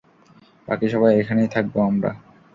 বাকি সবাই এখানেই থাকব আমরা!